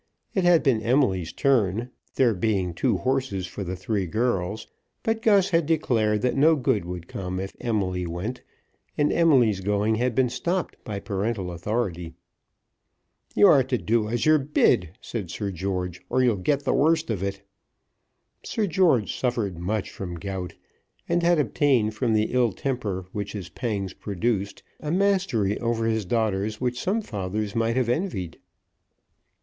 It had been Emily's turn, there being two horses for the three girls; but Gus had declared that no good could come if Emily went; and Emily's going had been stopped by parental authority. "You do as you're bid," said Sir George, "or you'll get the worst of it." Sir George suffered much from gout, and had obtained from the ill temper which his pangs produced a mastery over his daughters which some fathers might have envied.